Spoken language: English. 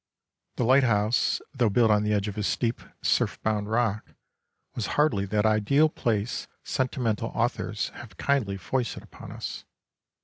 The lighthouse, though built on the edge of a steep, surf bound rock, was hardly that ideal place sentimental authors have kindly foisted upon us.